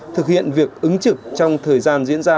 thực hiện việc ứng trực trong thời gian diễn ra